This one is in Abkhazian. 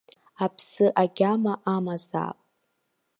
Аԥсы агьама амазаап.